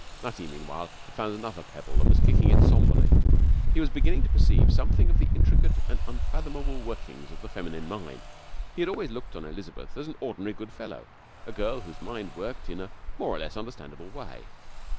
Nutty, meanwhile, had found another pebble and was kicking it sombrely. He was beginning to perceive something of the intricate and unfathomable workings of the feminine mind. He had always looked on Elizabeth as an ordinary good fellow, a girl whose mind worked in a more or less understandable way.